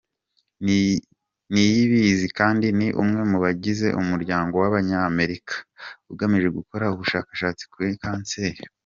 Niyibizi kandi ni umwe mu bagize umuryango w’Abanyamerika ugamije gukora ubushakashatsi kuri kanseri.